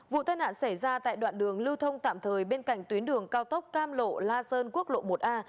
vụ tai nạn xảy ra tại đoạn đường lưu thông tạm thời bên cạnh tuyến đường cao tốc cam lộ la sơn quốc lộ một a